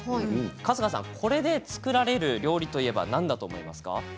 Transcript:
春日さん、これで作られる料理といえば何だと思いますか。